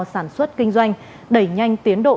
sản xuất kinh doanh đẩy nhanh tiến độ